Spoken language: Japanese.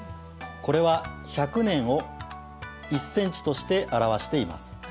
これは１００年を１センチとして表しています。